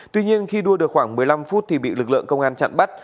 tuy nhiên khi đua được khoảng một mươi năm phút thì bị lực lượng công an chặn bắt